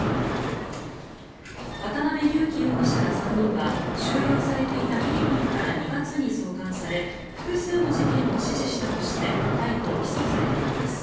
渡邉優樹容疑者ら３人は収容されていたフィリピンから２月に送還され複数の事件を指示したとして逮捕・起訴されています。